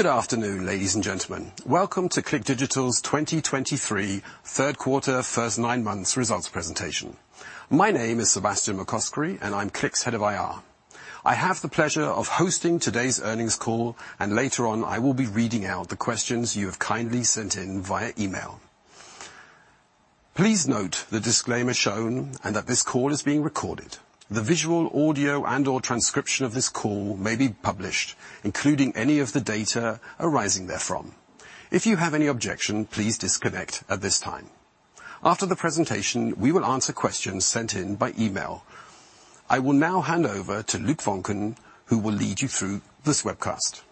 Good afternoon, ladies and gentlemen. Welcome to CLIQ Digital's 2023, Q3, first nine months results presentation. My name is Sebastian McCoskrie, and I'm CLIQ's Head of IR. I have the pleasure of hosting today's earnings call, and later on, I will be reading out the questions you have kindly sent in via email. Please note the disclaimer shown and that this call is being recorded. The visual, audio, and/or transcription of this call may be published, including any of the data arising therefrom. If you have any objection, please disconnect at this time. After the presentation, we will answer questions sent in by email. I will now hand over to Luc Voncken, who will lead you through this webcast.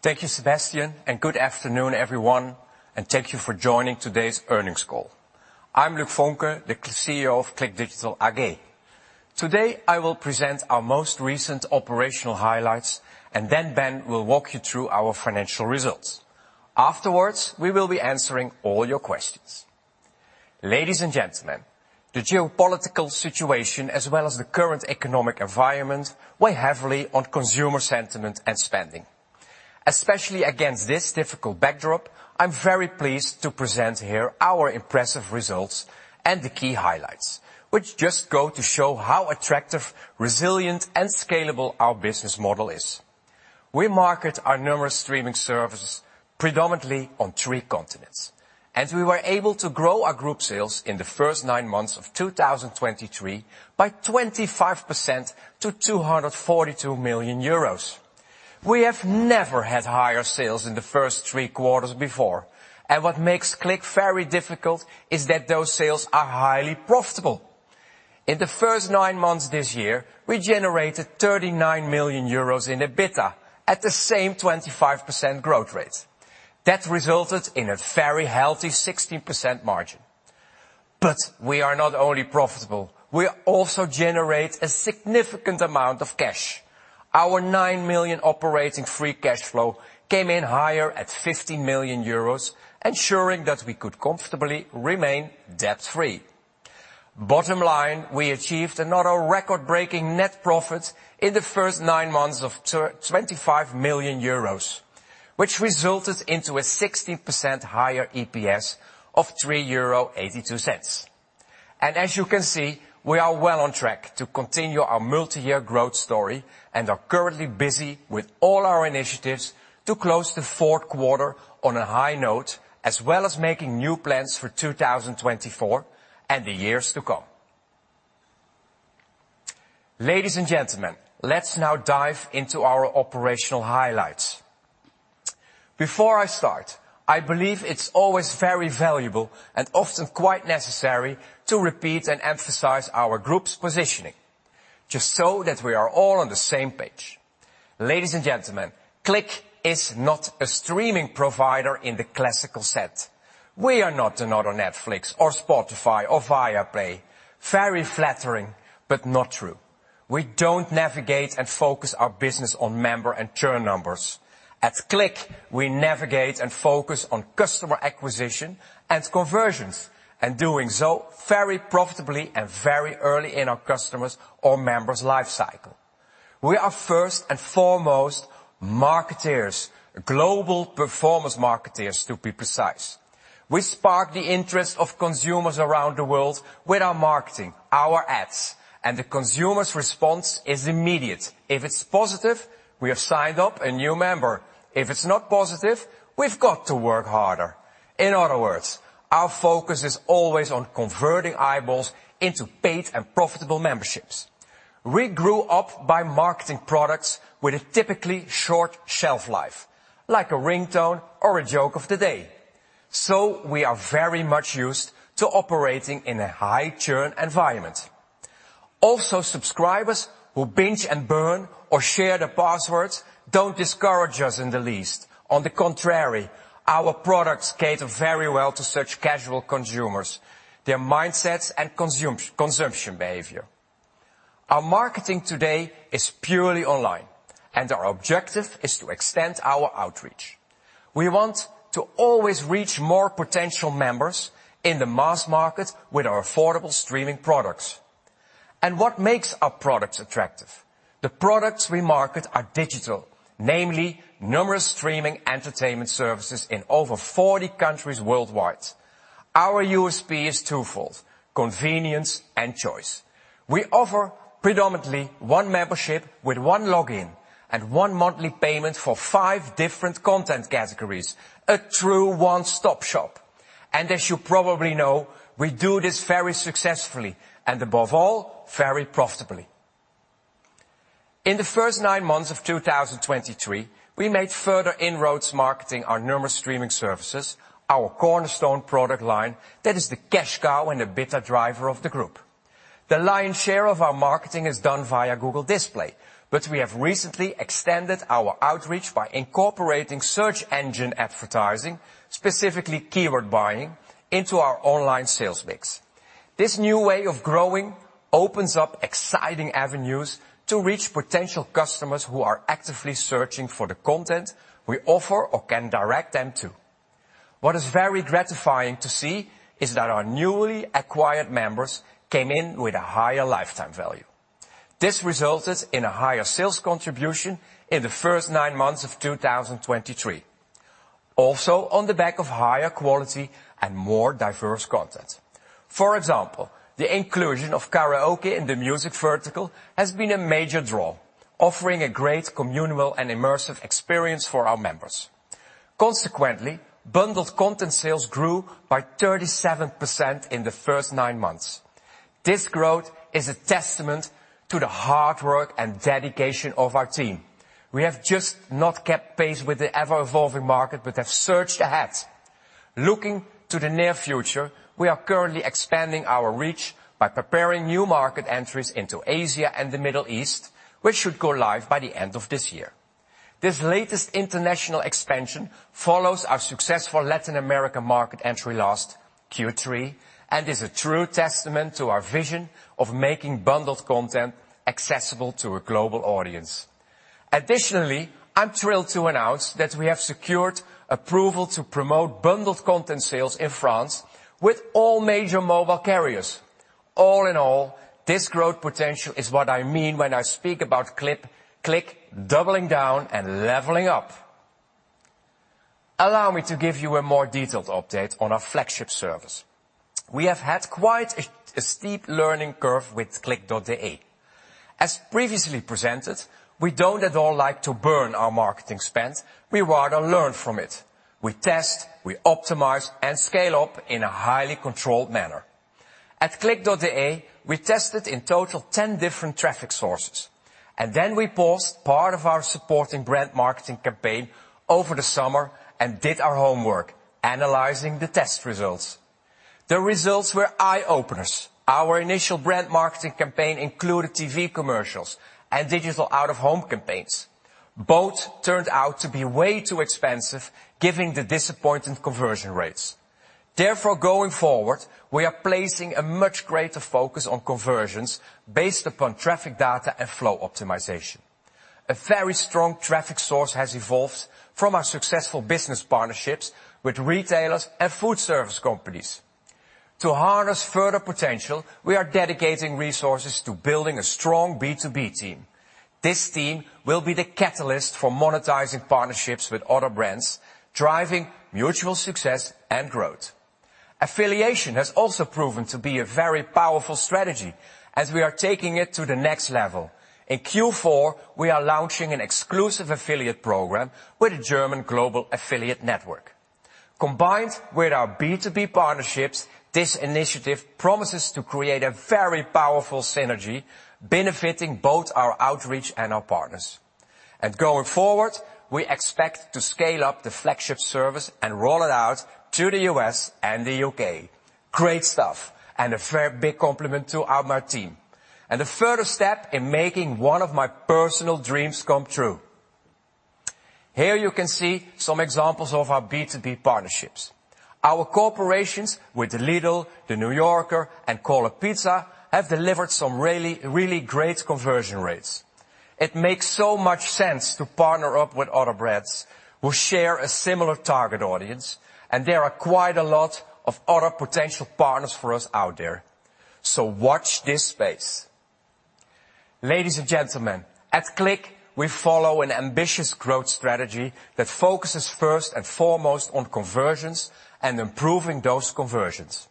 Thank you, Sebastian, and good afternoon, everyone, and thank you for joining today's earnings call. I'm Luc Voncken, the CEO of CLIQ Digital AG. Today, I will present our most recent operational highlights, and then Ben will walk you through our financial results. Afterwards, we will be answering all your questions. Ladies and gentlemen, the geopolitical situation, as well as the current economic environment, weigh heavily on consumer sentiment and spending. Especially against this difficult backdrop, I'm very pleased to present here our impressive results and the key highlights, which just go to show how attractive, resilient, and scalable our business model is. We market our numerous streaming services predominantly on three continents, and we were able to grow our group sales in the first nine months of 2023 by 25% to 242 million euros. We have never had higher sales in the first three quarters before, and what makes CLIQ very difficult is that those sales are highly profitable. In the first nine months this year, we generated 39 million euros in EBITDA at the same 25% growth rate. That resulted in a very healthy 16% margin. But we are not only profitable, we also generate a significant amount of cash. Our nine million operating free cash flow came in higher at 15 million euros, ensuring that we could comfortably remain debt-free. Bottom line, we achieved another record-breaking net profit in the first nine months of twenty-five million euros, which resulted into a 16% higher EPS of 3.82 euro. As you can see, we are well on track to continue our multi-year growth story and are currently busy with all our initiatives to close the Q4 on a high note, as well as making new plans for 2024 and the years to come. Ladies and gentlemen, let's now dive into our operational highlights. Before I start, I believe it's always very valuable and often quite necessary to repeat and emphasize our group's positioning, just so that we are all on the same page. Ladies and gentlemen, CLIQ is not a streaming provider in the classical sense. We are not another Netflix or Spotify or Viaplay. Very flattering, but not true. We don't navigate and focus our business on member and churn numbers. At CLIQ, we navigate and focus on customer acquisition and conversions, and doing so very profitably and very early in our customers' or members' life cycle. We are first and foremost marketers, global performance marketers, to be precise. We spark the interest of consumers around the world with our marketing, our ads, and the consumer's response is immediate. If it's positive, we have signed up a new member. If it's not positive, we've got to work harder. In other words, our focus is always on converting eyeballs into paid and profitable memberships. We grew up by marketing products with a typically short shelf life, like a ringtone or a joke of the day, so we are very much used to operating in a high-churn environment. Also, subscribers who binge and burn or share their passwords don't discourage us in the least. On the contrary, our products cater very well to such casual consumers, their mindsets, and consumption behavior. Our marketing today is purely online, and our objective is to extend our outreach. We want to always reach more potential members in the mass market with our affordable streaming products. And what makes our products attractive? The products we market are digital, namely numerous streaming entertainment services in over 40 countries worldwide. Our USP is twofold: convenience and choice. We offer predominantly one membership with one login and one monthly payment for five different content categories, a true one-stop shop. And as you probably know, we do this very successfully and, above all, very profitably. In the first nine months of 2023, we made further inroads marketing our numerous streaming services, our cornerstone product line that is the cash cow and the better driver of the group. The lion's share of our marketing is done via Google Display, but we have recently extended our outreach by incorporating search engine advertising, specifically keyword buying, into our online sales mix. This new way of growing opens up exciting avenues to reach potential customers who are actively searching for the content we offer or can direct them to... What is very gratifying to see is that our newly acquired members came in with a higher lifetime value. This resulted in a higher sales contribution in the first nine months of 2023, also on the back of higher quality and more diverse content. For example, the inclusion of karaoke in the music vertical has been a major draw, offering a great communal and immersive experience for our members. Consequently, bundled content sales grew by 37% in the first nine months. This growth is a testament to the hard work and dedication of our team. We have just not kept pace with the ever-evolving market, but have surged ahead. Looking to the near future, we are currently expanding our reach by preparing new market entries into Asia and the Middle East, which should go live by the end of this year. This latest international expansion follows our successful Latin American market entry last Q3, and is a true testament to our vision of making bundled content accessible to a global audience. Additionally, I'm thrilled to announce that we have secured approval to promote bundled content sales in France with all major mobile carriers. All in all, this growth potential is what I mean when I speak about CLIQ, CLIQ doubling down and leveling up. Allow me to give you a more detailed update on our flagship service. We have had quite a steep learning curve with CLIQ.de. As previously presented, we don't at all like to burn our marketing spend. We rather learn from it. We test, we optimize, and scale up in a highly controlled manner. At CLIQ.de, we tested in total 10 different traffic sources, and then we paused part of our supporting brand marketing campaign over the summer and did our homework, analyzing the test results. The results were eye-openers. Our initial brand marketing campaign included TV commercials and digital out-of-home campaigns. Both turned out to be way too expensive, given the disappointing conversion rates. Therefore, going forward, we are placing a much greater focus on conversions based upon traffic data and flow optimization. A very strong traffic source has evolved from our successful business partnerships with retailers and food service companies. To harness further potential, we are dedicating resources to building a strong B2B team. This team will be the catalyst for monetizing partnerships with other brands, driving mutual success and growth. Affiliation has also proven to be a very powerful strategy, as we are taking it to the next level. In Q4, we are launching an exclusive affiliate program with a German global affiliate network. Combined with our B2B partnerships, this initiative promises to create a very powerful synergy benefiting both our outreach and our partners. And going forward, we expect to scale up the flagship service and roll it out to the US and the UK. Great stuff, and a fair big compliment to our team, and a further step in making one of my personal dreams come true. Here you can see some examples of our B2B partnerships. Our partnerships with Lidl, New Yorker, and Call a Pizza have delivered some really, really great conversion rates. It makes so much sense to partner up with other brands who share a similar target audience, and there are quite a lot of other potential partners for us out there. So watch this space! Ladies and gentlemen, at CLIQ, we follow an ambitious growth strategy that focuses first and foremost on conversions and improving those conversions.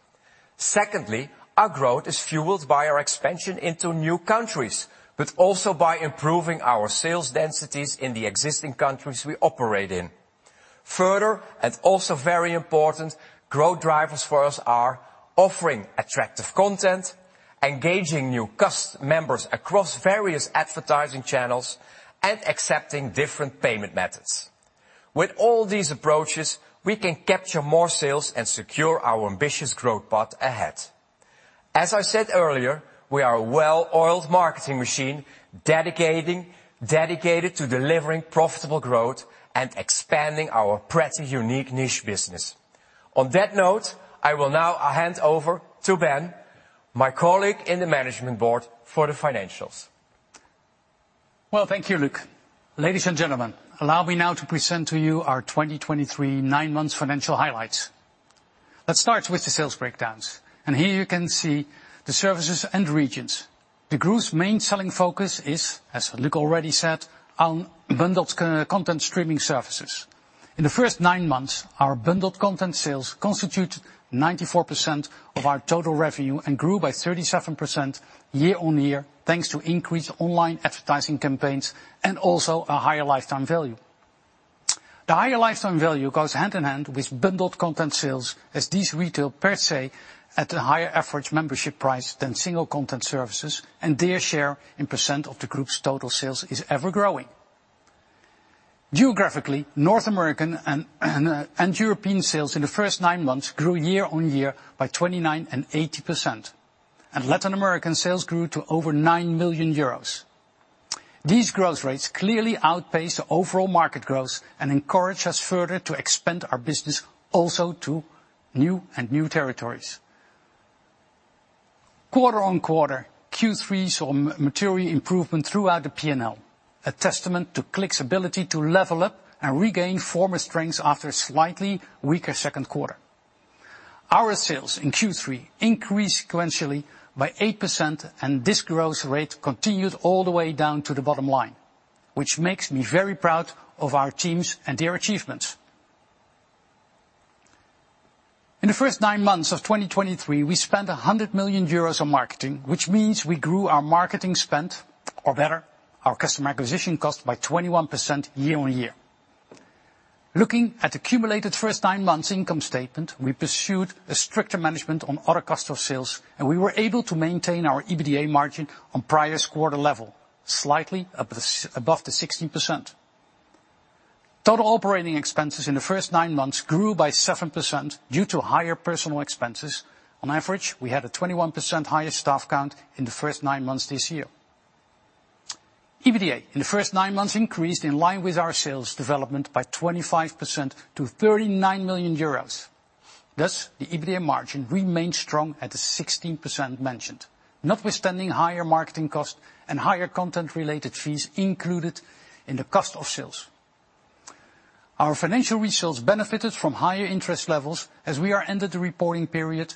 Secondly, our growth is fueled by our expansion into new countries, but also by improving our sales densities in the existing countries we operate in. Further, and also very important, growth drivers for us are offering attractive content, engaging new customers across various advertising channels, and accepting different payment methods. With all these approaches, we can capture more sales and secure our ambitious growth path ahead. As I said earlier, we are a well-oiled marketing machine, dedicated to delivering profitable growth and expanding our pretty unique niche business. On that note, I will now hand over to Ben, my colleague in the Management Board for the financials. Well, thank you, Luc. Ladies and gentlemen, allow me now to present to you our 2023 9 months financial highlights. Let's start with the sales breakdowns, and here you can see the services and regions. The group's main selling focus is, as Luc already said, on bundled content streaming services. In the first 9 months, our bundled content sales constituted 94% of our total revenue and grew by 37% year-on-year, thanks to increased online advertising campaigns and also a higher lifetime value. The higher lifetime value goes hand in hand with bundled content sales, as these retail per se at a higher average membership price than single content services, and their share in % of the group's total sales is ever growing. Geographically, North American and European sales in the first nine months grew year-on-year by 29% and 80%, and Latin American sales grew to over 9 million euros. These growth rates clearly outpace the overall market growth and encourage us further to expand our business also to new territories. Quarter-on-quarter, Q3 saw material improvement throughout the P&L, a testament to CLIQ's ability to level up and regain former strengths after a slightly weaker Q2. Our sales in Q3 increased sequentially by 8%, and this growth rate continued all the way down to the bottom line, which makes me very proud of our teams and their achievements. In the first nine months of 2023, we spent 100 million euros on marketing, which means we grew our marketing spend, or better, our customer acquisition cost, by 21% year-on-year. Looking at the cumulated first nine months income statement, we pursued a stricter management on other cost of sales, and we were able to maintain our EBITDA margin on previous quarter level, slightly above the 16%. Total operating expenses in the first nine months grew by 7% due to higher personnel expenses. On average, we had a 21% higher staff count in the first nine months this year. EBITDA, in the first nine months, increased in line with our sales development by 25% to 39 million euros. Thus, the EBITDA margin remained strong at the 16% mentioned, notwithstanding higher marketing costs and higher content-related fees included in the cost of sales. Our financial results benefited from higher interest levels as we ended the reporting period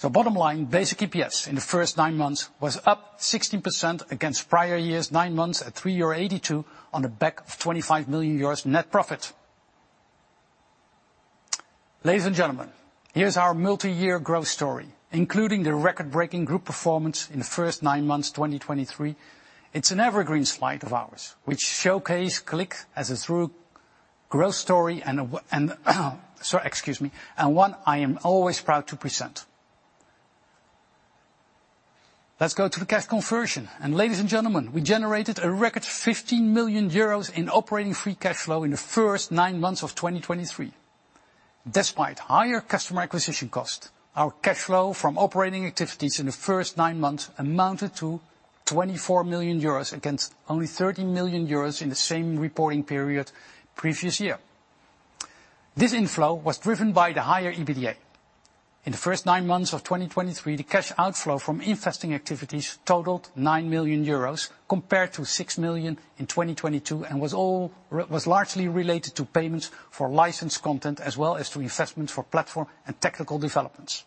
debt-free. Bottom line, basic EPS in the first nine months was up 16% against prior year's nine months at 3.82 euro on the back of 25 million euros net profit. Ladies and gentlemen, here's our multi-year growth story, including the record-breaking group performance in the first nine months, 2023. It's an evergreen slide of ours, which showcase CLIQ as a true growth story and one I am always proud to present. Let's go to the cash conversion, and ladies and gentlemen, we generated a record 15 million euros in operating free cash flow in the first nine months of 2023. Despite higher customer acquisition costs, our cash flow from operating activities in the first nine months amounted to 24 million euros, against only 13 million euros in the same reporting period previous year. This inflow was driven by the higher EBITDA. In the first nine months of 2023, the cash outflow from investing activities totaled 9 million euros, compared to 6 million in 2022, and was largely related to payments for licensed content, as well as to investments for platform and technical developments.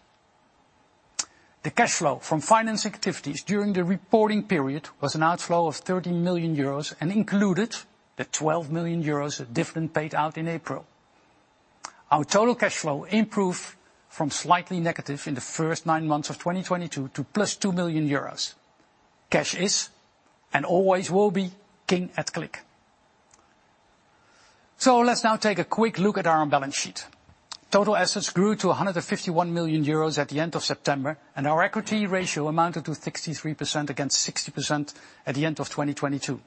The cash flow from financing activities during the reporting period was an outflow of 13 million euros and included the 12 million euros dividend paid out in April. Our total cash flow improved from slightly negative in the first nine months of 2022 to +2 million euros. Cash is, and always will be, king at CLIQ. So let's now take a quick look at our balance sheet. Total assets grew to 151 million euros at the end of September, and our equity ratio amounted to 63%, against 60% at the end of 2022.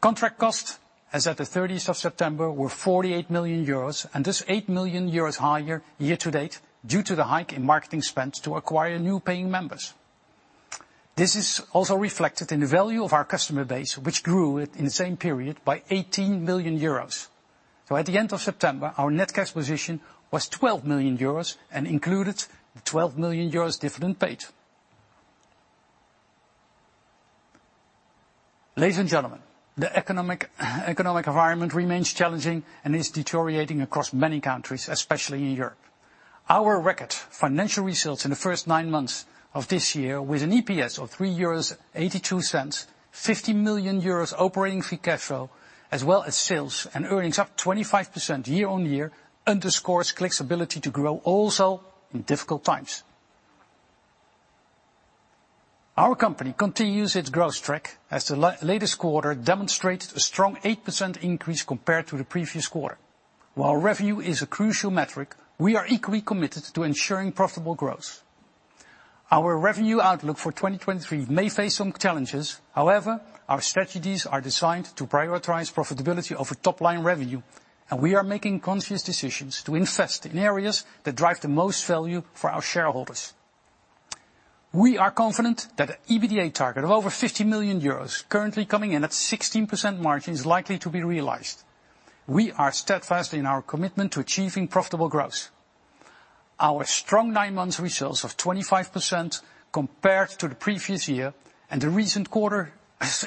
Contract costs, as at the 30th of September, were 48 million euros, and this is 8 million euros higher year to date due to the hike in marketing spend to acquire new paying members. This is also reflected in the value of our customer base, which grew in the same period by 18 million euros. So at the end of September, our net cash position was 12 million euros and included the 12 million euros dividend paid. Ladies and gentlemen, the economic environment remains challenging and is deteriorating across many countries, especially in Europe. Our record financial results in the first nine months of this year, with an EPS of 3.82 euros, 50 million euros operating free cash flow, as well as sales and earnings up 25% year-on-year, underscores CLIQ's ability to grow also in difficult times. Our company continues its growth track, as the latest quarter demonstrated a strong 8% increase compared to the previous quarter. While revenue is a crucial metric, we are equally committed to ensuring profitable growth. Our revenue outlook for 2023 may face some challenges. However, our strategies are designed to prioritize profitability over top-line revenue, and we are making conscious decisions to invest in areas that drive the most value for our shareholders. We are confident that the EBITDA target of over 50 million euros, currently coming in at 16% margin, is likely to be realized. We are steadfast in our commitment to achieving profitable growth. Our strong nine-month results of 25% compared to the previous year, and the recent quarter's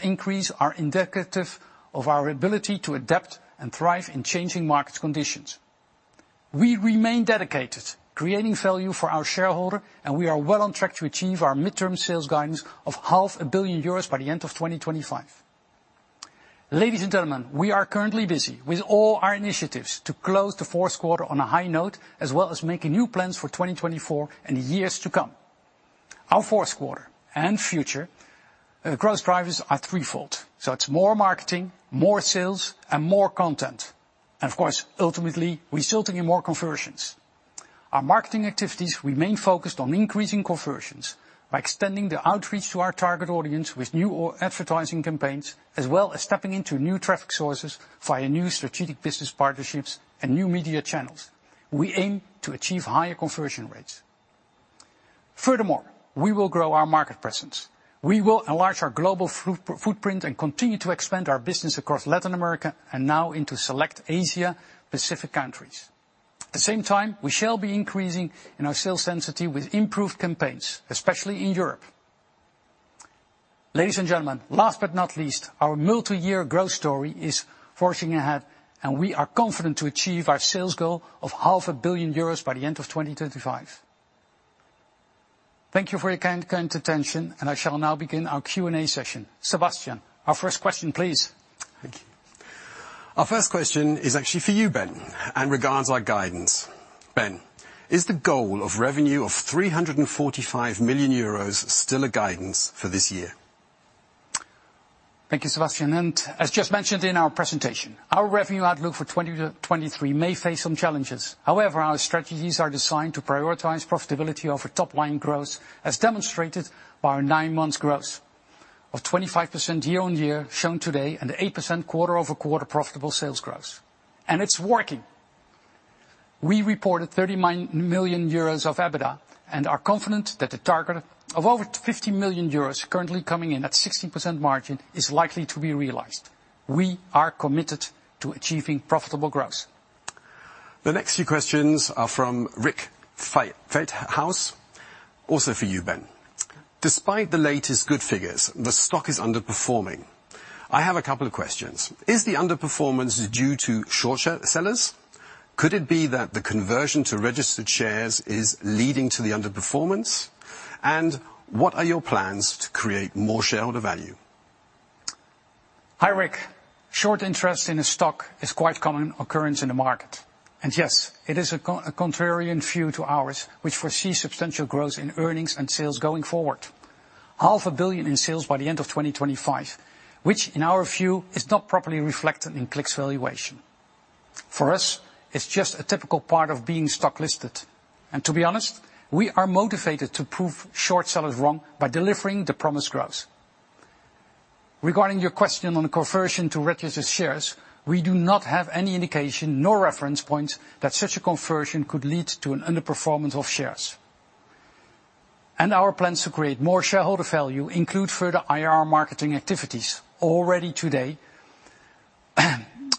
increase are indicative of our ability to adapt and thrive in changing market conditions. We remain dedicated to creating value for our shareholder, and we are well on track to achieve our midterm sales guidance of 500 million euros by the end of 2025. Ladies and gentlemen, we are currently busy with all our initiatives to close the Q4 on a high note, as well as making new plans for 2024 and the years to come. Our Q4 and future, growth drivers are threefold: so it's more marketing, more sales, and more content. Of course, ultimately, we still target more conversions. Our marketing activities remain focused on increasing conversions by extending the outreach to our target audience with new advertising campaigns, as well as stepping into new traffic sources via new strategic business partnerships and new media channels. We aim to achieve higher conversion rates. Furthermore, we will grow our market presence. We will enlarge our global footprint and continue to promote our business across Latin America, and now into select Asia Pacific countries. At the same time, we shall be increasing our sales density with improved campaigns, especially in Europe. Ladies and gentlemen, last but not least, our multi-year growth story is forging ahead, and we are confident to achieve our sales goal of 500 million euros by the end of 2025. Thank you for your kind, kind attention, and I shall now begin our Q&A session. Sebastian, our first question, please. Thank you. Our first question is actually for you, Ben, and regards our guidance. Ben, is the goal of revenue of 345 million euros still a guidance for this year? Thank you, Sebastian, and as just mentioned in our presentation, our revenue outlook for 2020-2023 may face some challenges. However, our strategies are designed to prioritize profitability over top line growth, as demonstrated by our 9 months growth of 25% year-on-year shown today, and 8% quarter-over-quarter profitable sales growth, and it's working. We reported 39 million euros of EBITDA, and are confident that the target of over 50 million euros, currently coming in at 60% margin, is likely to be realized. We are committed to achieving profitable growth. The next few questions are from Rick Feithouse, also for you, Ben. Despite the latest good figures, the stock is underperforming. I have a couple of questions: Is the underperformance due to short sellers? Could it be that the conversion to registered shares is leading to the underperformance? And what are your plans to create more shareholder value? Hi, Rick. Short interest in a stock is quite common occurrence in the market, and yes, it is a contrarian view to ours, which foresees substantial growth in earnings and sales going forward. 500 million in sales by the end of 2025, which, in our view, is not properly reflected in CLIQ's valuation. For us, it's just a typical part of being stock listed, and to be honest, we are motivated to prove short sellers wrong by delivering the promised growth. Regarding your question on the conversion to registered shares, we do not have any indication nor reference points that such a conversion could lead to an underperformance of shares. Our plans to create more shareholder value include further IR marketing activities. Already today,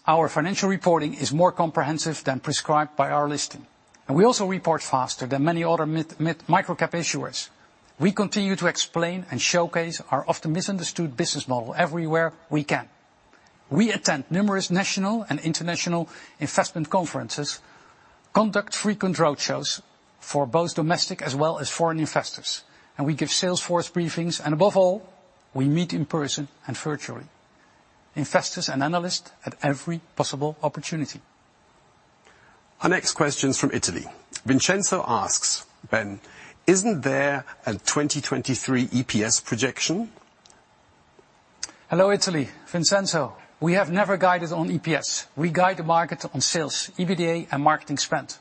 our financial reporting is more comprehensive than prescribed by our listing, and we also report faster than many other mid micro-cap issuers. We continue to explain and showcase our often misunderstood business model everywhere we can. We attend numerous national and international investment conferences, conduct frequent roadshows for both domestic as well as foreign investors, and we give salesforce briefings, and above all, we meet in person and virtually, investors and analysts at every possible opportunity. Our next question is from Italy. Vincenzo asks, "Ben, isn't there a 2023 EPS projection? Hello, Italy. Vincenzo, we have never guided on EPS. We guide the market on sales, EBITDA, and marketing spend.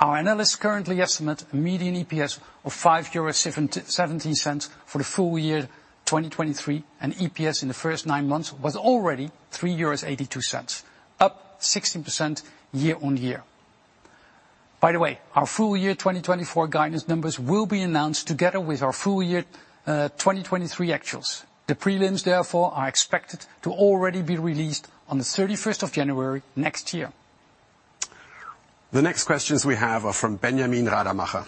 Our analysts currently estimate a median EPS of 5.77 euros for the full year 2023, and EPS in the first nine months was already 3.82 euros, up 16% year-over-year. By the way, our full year 2024 guidance numbers will be announced together with our full year 2023 actuals. The prelims, therefore, are expected to already be released on the thirty-first of January next year. The next questions we have are from Benjamin Radermacher.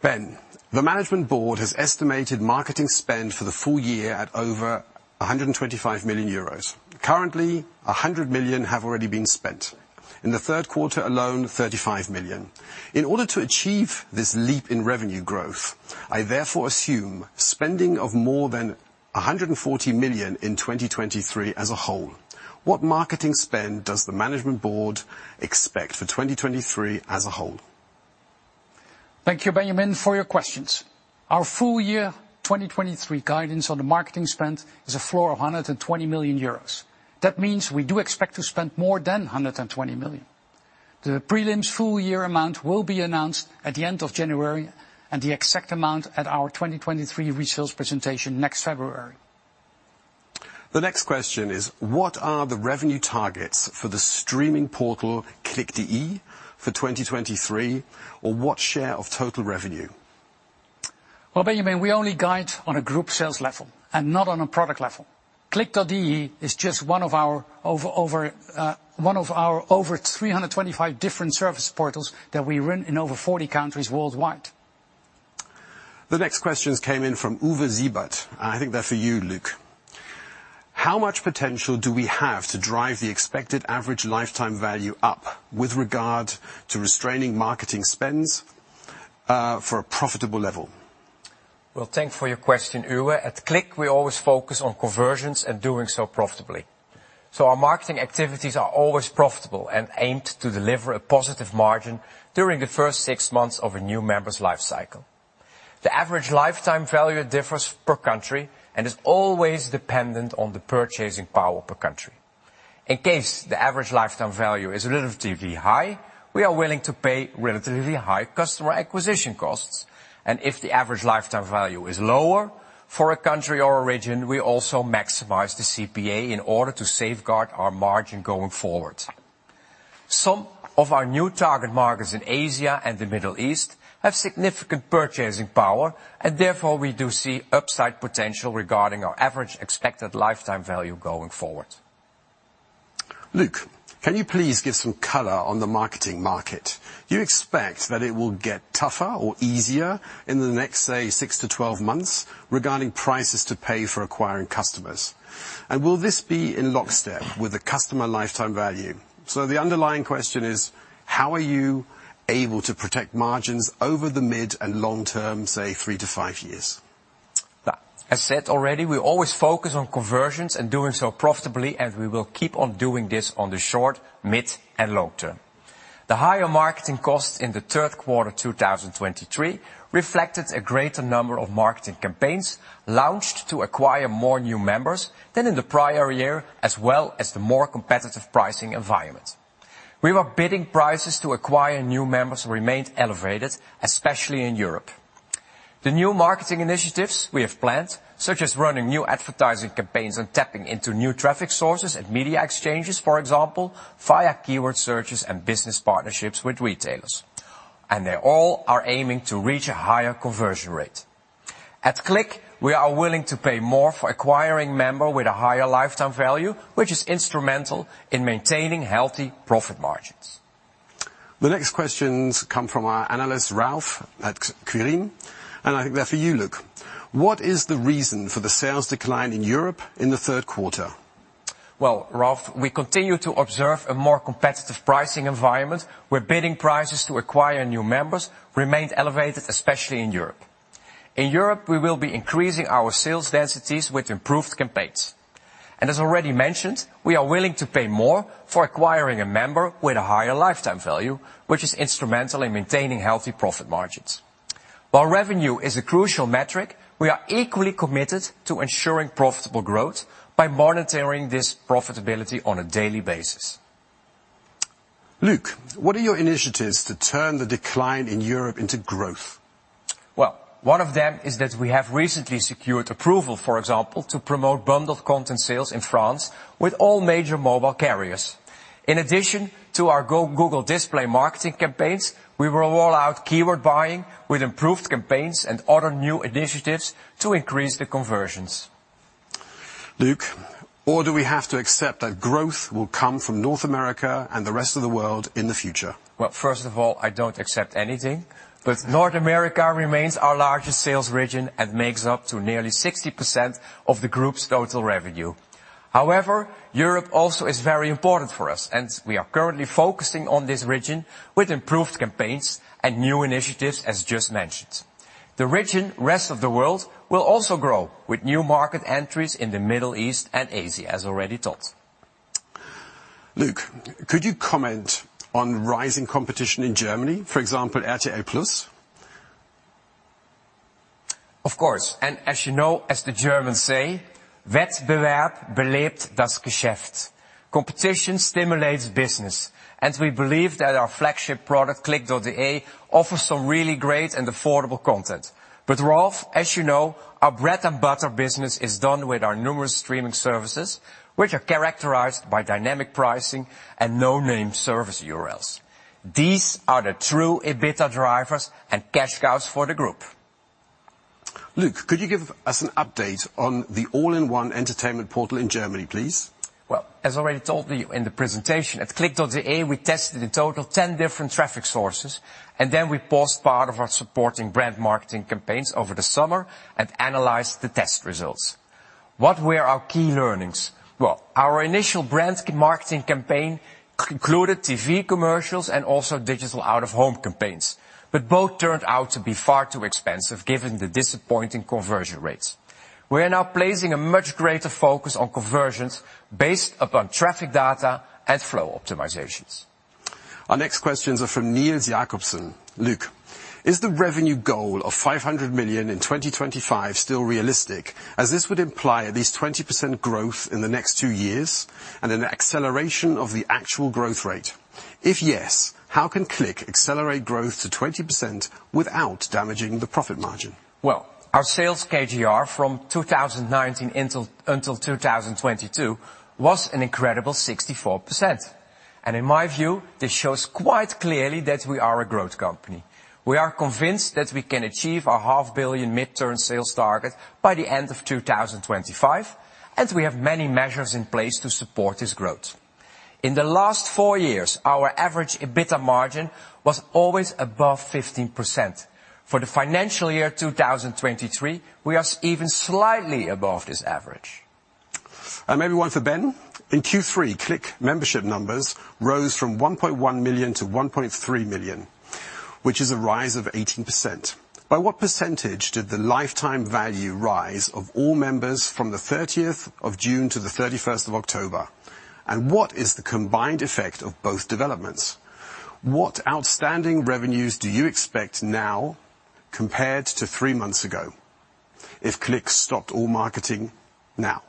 "Ben, the management board has estimated marketing spend for the full year at over 125 million euros. Currently, 100 million have already been spent. In the Q3 alone, 35 million. In order to achieve this leap in revenue growth, I therefore assume spending of more than 140 million in 2023 as a whole. What marketing spend does the management board expect for 2023 as a whole? Thank you, Benjamin, for your questions. Our full year 2023 guidance on the marketing spend is a floor of 120 million euros. That means we do expect to spend more than 120 million. The prelims full year amount will be announced at the end of January, and the exact amount at our 2023 results presentation next February. The next question is: What are the revenue targets for the streaming portal, CLIQ.de, for 2023, or what share of total revenue? Well, Benjamin, we only guide on a group sales level and not on a product level. CLIQ.de is just one of our over 325 different service portals that we run in over 40 countries worldwide. The next questions came in from Uwe Siebert. I think they're for you, Luc. How much potential do we have to drive the expected average lifetime value up, with regard to restraining marketing spends, for a profitable level? Well, thank you for your question, Uwe. At CLIQ, we always focus on conversions and doing so profitably. So our marketing activities are always profitable and aimed to deliver a positive margin during the first six months of a new member's life cycle. The average lifetime value differs per country and is always dependent on the purchasing power per country. In case the average lifetime value is relatively high, we are willing to pay relatively high customer acquisition costs, and if the average lifetime value is lower for a country or a region, we also maximize the CPA in order to safeguard our margin going forward. Some of our new target markets in Asia and the Middle East have significant purchasing power, and therefore we do see upside potential regarding our average expected lifetime value going forward. Luc, can you please give some color on the marketing market? Do you expect that it will get tougher or easier in the next, say, 6-12 months regarding prices to pay for acquiring customers? And will this be in lockstep with the customer lifetime value? So the underlying question is: how are you able to protect margins over the mid and long term, say, 3-5 years? As said already, we always focus on conversions and doing so profitably, and we will keep on doing this on the short, mid, and long term. The higher marketing costs in the Q3 2023 reflected a greater number of marketing campaigns launched to acquire more new members than in the prior year, as well as the more competitive pricing environment. We were bidding prices to acquire new members remained elevated, especially in Europe. The new marketing initiatives we have planned, such as running new advertising campaigns and tapping into new traffic sources and media exchanges, for example, via keyword searches and business partnerships with retailers, and they all are aiming to reach a higher conversion rate. At CLIQ, we are willing to pay more for acquiring member with a higher lifetime value, which is instrumental in maintaining healthy profit margins. The next questions come from our analyst, Ralf at Kepler, and I think they're for you, Luc: What is the reason for the sales decline in Europe in the Q3? Well, Ralf, we continue to observe a more competitive pricing environment, where bidding prices to acquire new members remained elevated, especially in Europe. In Europe, we will be increasing our sales densities with improved campaigns, and as already mentioned, we are willing to pay more for acquiring a member with a higher lifetime value, which is instrumental in maintaining healthy profit margins. While revenue is a crucial metric, we are equally committed to ensuring profitable growth by monitoring this profitability on a daily basis. Luc, what are your initiatives to turn the decline in Europe into growth? Well, one of them is that we have recently secured approval, for example, to promote bundled content sales in France with all major mobile carriers. In addition to our Google display marketing campaigns, we will roll out keyword buying with improved campaigns and other new initiatives to increase the conversions. Luc, or do we have to accept that growth will come from North America and the rest of the world in the future? Well, first of all, I don't accept anything, but North America remains our largest sales region and makes up to nearly 60% of the group's total revenue. However, Europe also is very important for us, and we are currently focusing on this region with improved campaigns and new initiatives, as just mentioned. The region rest of the world will also grow with new market entries in the Middle East and Asia, as already told. Luc, could you comment on rising competition in Germany, for example, RTL+? Of course, and as you know, as the Germans say, Competition stimulates business, and we believe that our flagship product, CLIQ.de, offers some really great and affordable content. But Ralf, as you know, our bread and butter business is done with our numerous streaming services, which are characterized by dynamic pricing and no-name service URLs. These are the true EBITDA drivers and cash cows for the group. Luc, could you give us an update on the all-in-one entertainment portal in Germany, please? Well, as already told you in the presentation, at CLIQ.de, we tested a total of 10 different traffic sources, and then we paused part of our supporting brand marketing campaigns over the summer and analyzed the test results. What were our key learnings? Well, our initial brand marketing campaign included TV commercials and also digital out-of-home campaigns, but both turned out to be far too expensive given the disappointing conversion rates. We are now placing a much greater focus on conversions based upon traffic data and flow optimizations. Our next questions are from Nils Jacobsen. Luc, is the revenue goal of 500 million in 2025 still realistic, as this would imply at least 20% growth in the next two years and an acceleration of the actual growth rate? If yes, how can CLIQ accelerate growth to 20% without damaging the profit margin? Well, our sales CAGR from 2019 until 2022 was an incredible 64%, and in my view, this shows quite clearly that we are a growth company. We are convinced that we can achieve our 500 million mid-term sales target by the end of 2025, and we have many measures in place to support this growth. In the last 4 years, our average EBITDA margin was always above 15%. For the financial year 2023, we are even slightly above this average. Maybe one for Ben. In Q3, CLIQ membership numbers rose from 1.1 million to 1.3 million, which is a rise of 18%. By what percentage did the lifetime value rise of all members from the 30th of June to the 31st of October, and what is the combined effect of both developments? What outstanding revenues do you expect now compared to three months ago if CLIQ stopped all marketing now?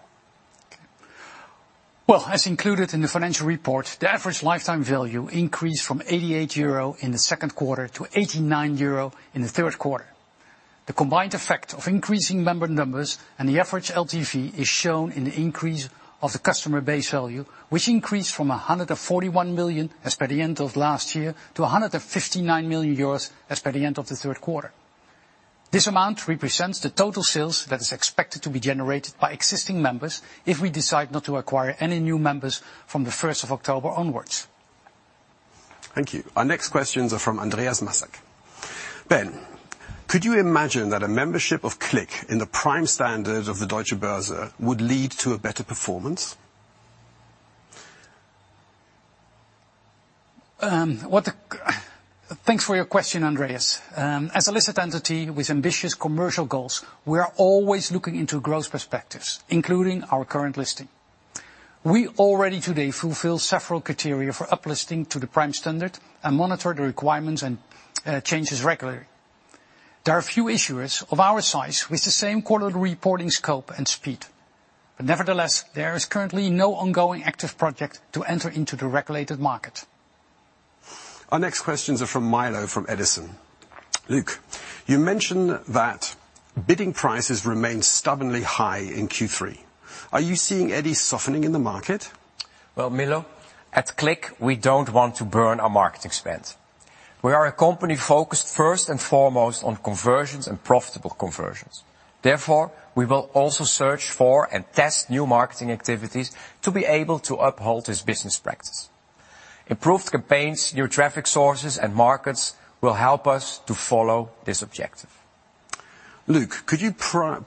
Well, as included in the financial report, the average lifetime value increased from 88 euro in the Q2 to 89 euro in the Q3. The combined effect of increasing member numbers and the average LTV is shown in the increase of the customer base value, which increased from 141 million, as per the end of last year, to 159 million euros, as per the end of the Q3. This amount represents the total sales that is expected to be generated by existing members if we decide not to acquire any new members from the first of October onwards. Thank you. Our next questions are from Andreas Massak. Ben, could you imagine that a membership of CLIQ in the Prime Standard of the Deutsche Börse would lead to a better performance? Thanks for your question, Andreas. As a listed entity with ambitious commercial goals, we are always looking into growth perspectives, including our current listing. We already today fulfill several criteria for uplisting to the Prime Standard, and monitor the requirements and changes regularly. There are a few issuers of our size with the same quarterly reporting scope and speed, but nevertheless, there is currently no ongoing active project to enter into the regulated market. Our next questions are from Milo, from Edison. Luc, you mentioned that bidding prices remain stubbornly high in Q3. Are you seeing any softening in the market? Well, Milo, at CLIQ, we don't want to burn our marketing spend. We are a company focused first and foremost on conversions and profitable conversions. Therefore, we will also search for and test new marketing activities to be able to uphold this business practice. Improved campaigns, new traffic sources, and markets will help us to follow this objective. Luc, could you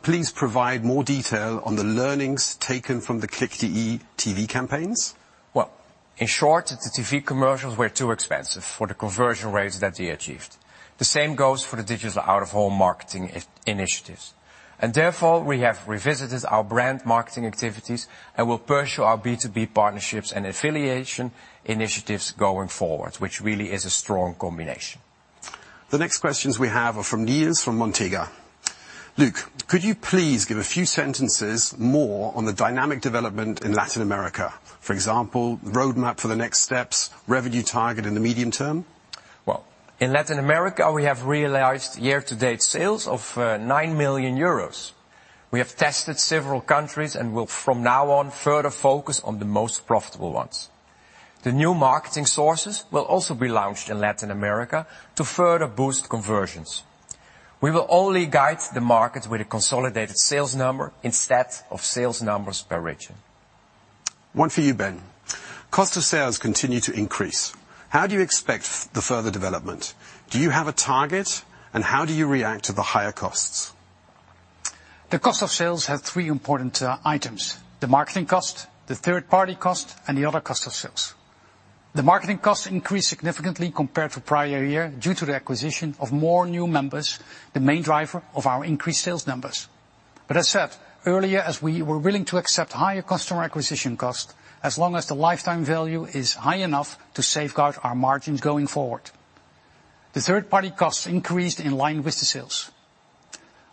please provide more detail on the learnings taken from the CLIQ.de TV campaigns? Well, in short, the TV commercials were too expensive for the conversion rates that they achieved. The same goes for the Digital Out-of-Home marketing initiatives, and therefore, we have revisited our brand marketing activities and will pursue our B2B partnerships and affiliation initiatives going forward, which really is a strong combination. The next questions we have are from Nils, from Montega. Luc, could you please give a few sentences more on the dynamic development in Latin America? For example, the roadmap for the next steps, revenue target in the medium term. Well, in Latin America, we have realized year-to-date sales of 9 million euros. We have tested several countries, and will from now on further focus on the most profitable ones. The new marketing sources will also be launched in Latin America to further boost conversions. We will only guide the market with a consolidated sales number instead of sales numbers per region. One for you, Ben. Cost of sales continue to increase. How do you expect the further development? Do you have a target, and how do you react to the higher costs? The cost of sales have three important items: the marketing cost, the third-party cost, and the other cost of sales. The marketing costs increased significantly compared to prior year, due to the acquisition of more new members, the main driver of our increased sales numbers. But as said earlier, as we were willing to accept higher customer acquisition costs, as long as the lifetime value is high enough to safeguard our margins going forward. The third-party costs increased in line with the sales.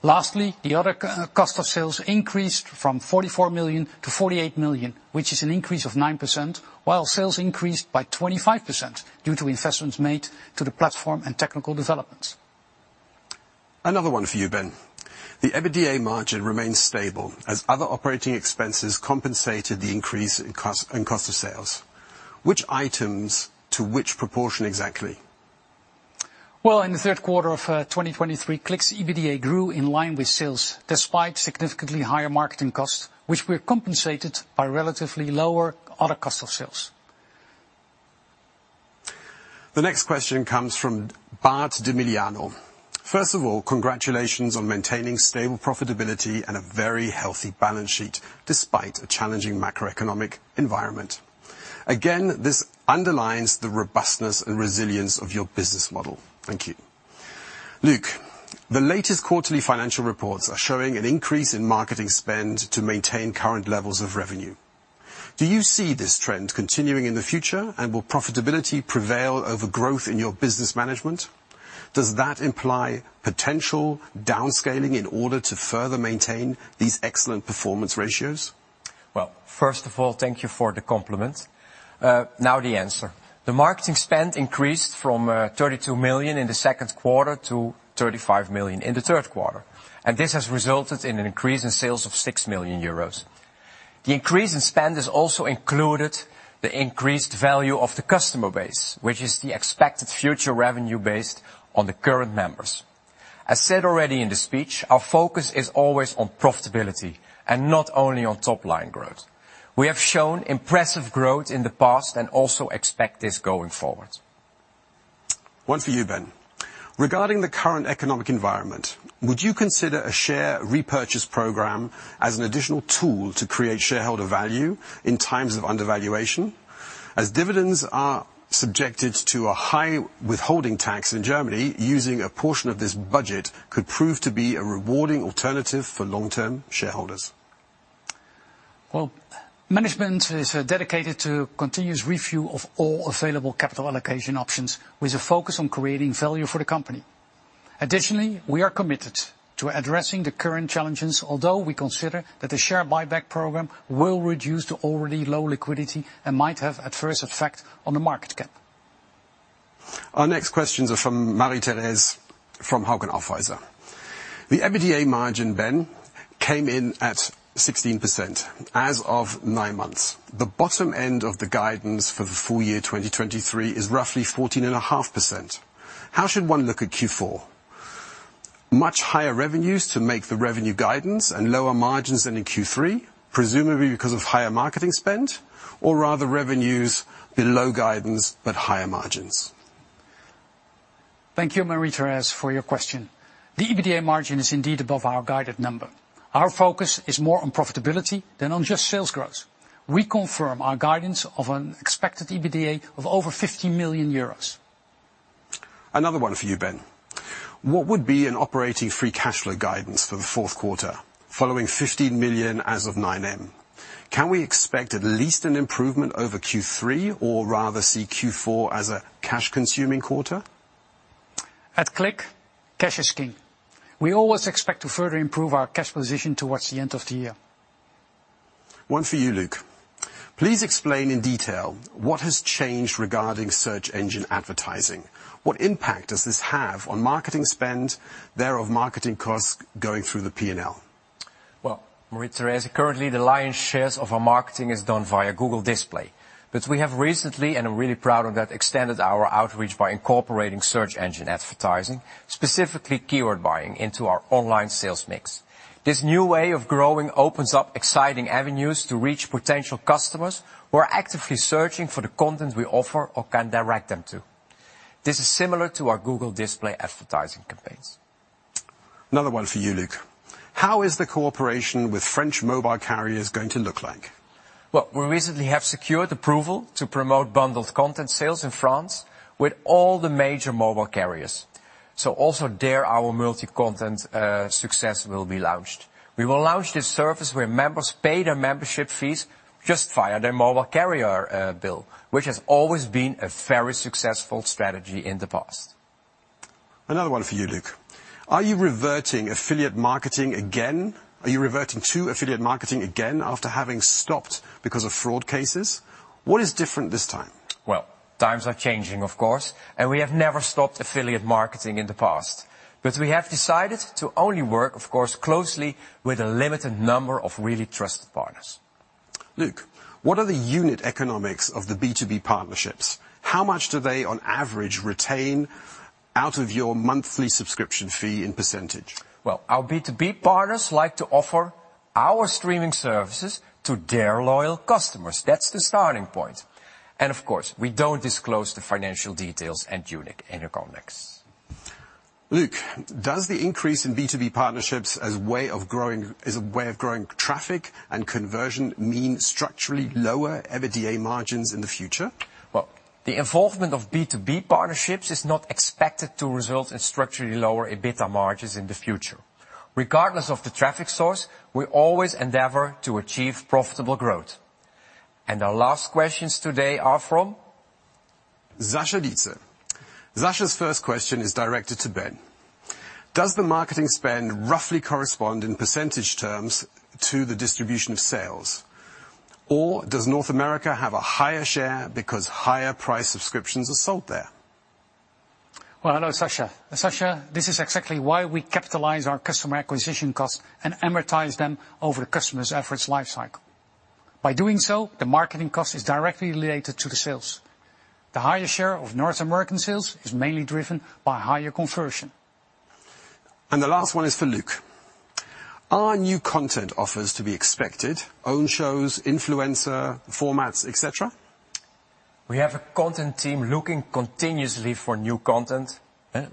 Lastly, the other cost of sales increased from 44 million to 48 million, which is an increase of 9%, while sales increased by 25% due to investments made to the platform and technical developments. Another one for you, Ben. The EBITDA margin remains stable, as other operating expenses compensated the increase in cost, in cost of sales. Which items to which proportion, exactly? Well, in the Q3 of 2023, CLIQ's EBITDA grew in line with sales, despite significantly higher marketing costs, which were compensated by relatively lower other cost of sales. The next question comes from Bart de Miliano. First of all, congratulations on maintaining stable profitability and a very healthy balance sheet, despite a challenging macroeconomic environment. Again, this underlines the robustness and resilience of your business model. Thank you. Luc, the latest quarterly financial reports are showing an increase in marketing spend to maintain current levels of revenue. Do you see this trend continuing in the future, and will profitability prevail over growth in your business management? Does that imply potential downscaling in order to further maintain these excellent performance ratios? Well, first of all, thank you for the compliment. Now the answer. The marketing spend increased from 32 million in the Q2 to 35 million in the Q3, and this has resulted in an increase in sales of 6 million euros. The increase in spend has also included the increased value of the customer base, which is the expected future revenue based on the current members. As said already in the speech, our focus is always on profitability, and not only on top line growth. We have shown impressive growth in the past, and also expect this going forward. One for you, Ben. Regarding the current economic environment, would you consider a share repurchase program as an additional tool to create shareholder value in times of undervaluation? As dividends are subjected to a high withholding tax in Germany, using a portion of this budget could prove to be a rewarding alternative for long-term shareholders. Well, management is dedicated to continuous review of all available capital allocation options, with a focus on creating value for the company. Additionally, we are committed to addressing the current challenges, although we consider that the share buyback program will reduce the already low liquidity, and might have adverse effect on the market cap. Our next questions are from Marie-Thérèse, from Hauck Aufhäuser. The EBITDA margin, Ben, came in at 16% as of nine months. The bottom end of the guidance for the full year 2023 is roughly 14.5%. How should one look at Q4? Much higher revenues to make the revenue guidance and lower margins than in Q3, presumably because of higher marketing spend, or rather revenues below guidance but higher margins? Thank you, Marie-Thérèse, for your question. The EBITDA margin is indeed above our guided number. Our focus is more on profitability than on just sales growth. We confirm our guidance of an expected EBITDA of over 50 million euros. Another one for you, Ben. What would be an operating free cash flow guidance for the Q4, following 15 million as of 9M? Can we expect at least an improvement over Q3, or rather see Q4 as a cash-consuming quarter? At CLIQ, cash is king. We always expect to further improve our cash position towards the end of the year. One for you, Luc. Please explain in detail what has changed regarding search engine advertising. What impact does this have on marketing spend, thereof marketing costs going through the P&L? Well, Marie-Thérèse, currently, the lion's share of our marketing is done via Google Display. But we have recently, and I'm really proud of that, extended our outreach by incorporating search engine advertising, specifically keyword buying, into our online sales mix. This new way of growing opens up exciting avenues to reach potential customers who are actively searching for the content we offer or can direct them to. This is similar to our Google Display advertising campaigns. Another one for you, Luc. How is the cooperation with French mobile carriers going to look like? Well, we recently have secured approval to promote bundled content sales in France with all the major mobile carriers, so also there, our multi-content success will be launched. We will launch this service where members pay their membership fees just via their mobile carrier bill, which has always been a very successful strategy in the past. Another one for you, Luc. Are you reverting affiliate marketing again? Are you reverting to affiliate marketing again after having stopped because of fraud cases? What is different this time? Well, times are changing, of course, and we have never stopped affiliate marketing in the past. But we have decided to only work, of course, closely with a limited number of really trusted partners. Luc, what are the unit economics of the B2B partnerships? How much do they, on average, retain out of your monthly subscription fee in percentage? Well, our B2B partners like to offer our streaming services to their loyal customers. That's the starting point, and of course, we don't disclose the financial details and unit economics. Luc, does the increase in B2B partnerships as a way of growing traffic and conversion mean structurally lower EBITDA margins in the future? Well, the involvement of B2B partnerships is not expected to result in structurally lower EBITDA margins in the future. Regardless of the traffic source, we always endeavor to achieve profitable growth. Our last questions today are from? Sascha Dietz. Sascha's first question is directed to Ben: Does the marketing spend roughly correspond in percentage terms to the distribution of sales, or does North America have a higher share because higher price subscriptions are sold there? Well, hello, Sascha. Sascha, this is exactly why we capitalize our customer acquisition costs and amortize them over the customer's expected life cycle. By doing so, the marketing cost is directly related to the sales. The higher share of North American sales is mainly driven by higher conversion. The last one is for Luc. Are new content offers to be expected, own shows, influencer, formats, et cetera? We have a content team looking continuously for new content,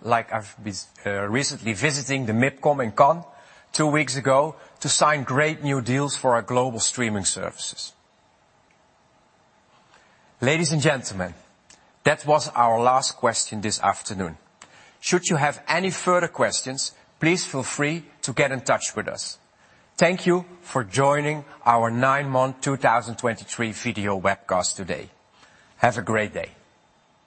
like I've been recently visiting the MIPCOM in Cannes two weeks ago to sign great new deals for our global streaming services. Ladies and gentlemen, that was our last question this afternoon. Should you have any further questions, please feel free to get in touch with us. Thank you for joining our 9-month 2023 video webcast today. Have a great day!